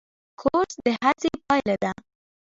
کورس د هڅې پایله ده.